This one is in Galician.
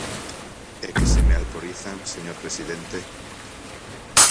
E que se me alporizan, señor presidente.